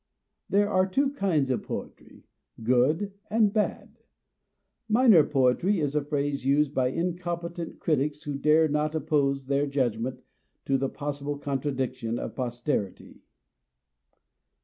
There are two kinds of poetry, good and bad. Minor poetry is a phrase used by incompetent critics who dare not oppose their judgment to the possible contradiction of posterity.